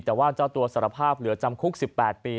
แต่ว่าเจ้าตัวสารภาพเหลือจำคุก๑๘ปี